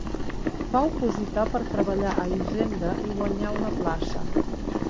Va opositar per treballar a Hisenda i guanyà una plaça.